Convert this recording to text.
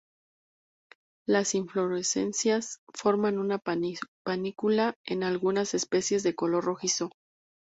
Las inflorescencias forman una panícula, en algunas especies de color rojizo.